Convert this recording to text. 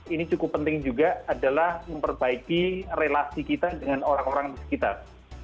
ini cukup penting juga adalah memperbaiki relasi kita dengan orang orang di sekitar